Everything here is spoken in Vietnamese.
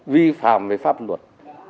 vi phạm về pháp luật